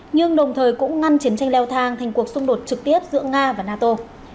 nhưng đồng thời cũng ngăn chiến tranh leo thang thành cuộc xung đột trực tiếp giữa nga và nato